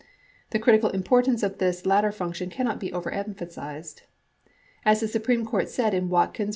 The critical importance of this latter function cannot be over emphasized. As the Supreme Court said in Watkins v.